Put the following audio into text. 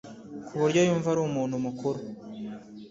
kuburyo yumva ari umuntu mukuru